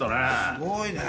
すごいね。